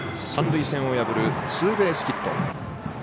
三塁線を破るツーベースヒット。